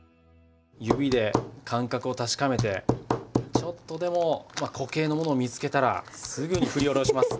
指で感覚を確かめてちょっとでも固形の物を見つけたらすぐに振り下ろします。